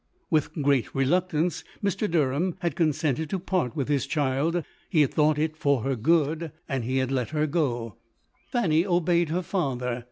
With great re luctance, Mr. Derham had consented to part with his child : he had thought it for her good, and 222 LODORE. he had let her go. Fanny obeyed her father.